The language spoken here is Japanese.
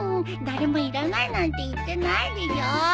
誰もいらないなんて言ってないでしょ。